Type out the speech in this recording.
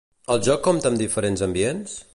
El joc compta amb diferents ambients?